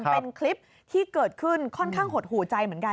เป็นคลิปที่เกิดขึ้นค่อนข้างหดหูใจเหมือนกัน